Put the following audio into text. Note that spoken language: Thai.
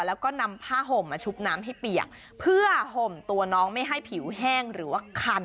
แล้วก็นำผ้าห่มมาชุบน้ำให้เปียกเพื่อห่มตัวน้องไม่ให้ผิวแห้งหรือว่าคัน